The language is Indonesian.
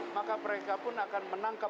maka mereka pun akan menangkap